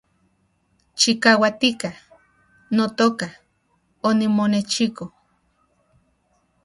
Chikauatika, notoka , onimonechiko